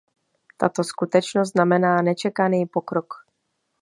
Tato skutečnost znamená nečekaný pokrok.